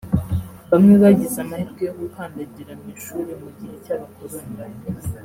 Bamwe bagize amahirwe yo gukandagira mu ishuri mu gihe cy’Abakoloni